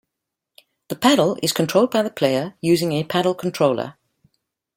The paddle is controlled by the player using a paddle controller.